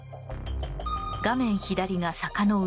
画面左が坂の上。